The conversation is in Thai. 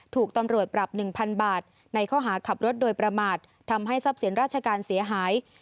ถูกตำรวจปรับ๑๐๐๐บาทในข้อหาขับรถโดยประมาททำให้ทรัพย์สินราชการเสียหาย